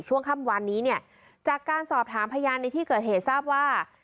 ช่วงค่ำวานนี้เนี่ยจากการสอบถามพยานในที่เกิดเหตุทราบว่า